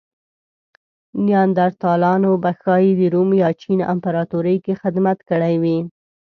نیاندرتالانو به ښايي د روم یا چین امپراتورۍ کې خدمت کړی وی.